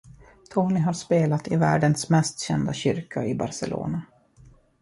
Tony har spelat i världens mest kända kyrka i Barcelona.